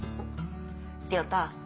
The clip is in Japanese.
亮太。